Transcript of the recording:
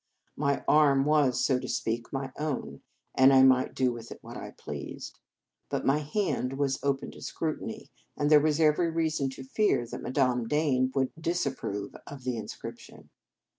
My arm was, so to speak, my own, and I might do with it what I pleased; but my hand was open to scrutiny, and there was every reason to fear that Madame Dane would disapprove of the inscription.